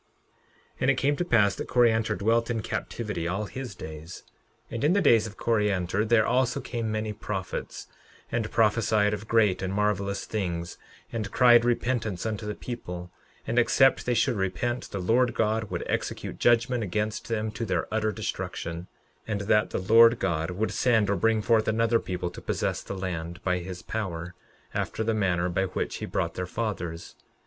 11:19 And it came to pass that Coriantor dwelt in captivity all his days. 11:20 And in the days of Coriantor there also came many prophets, and prophesied of great and marvelous things, and cried repentance unto the people, and except they should repent the Lord God would execute judgment against them to their utter destruction; 11:21 And that the Lord God would send or bring forth another people to possess the land, by his power, after the manner by which he brought their fathers.